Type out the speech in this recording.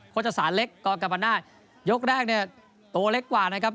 โคตรศาสตร์เล็กกรกับอันหน้ายกแรกเนี่ยโตเล็กกว่านะครับ